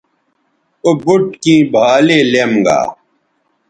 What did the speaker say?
او بُٹ کیں بھالے لیم گا